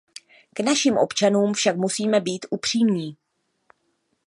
K našim občanům však musíme být upřímní.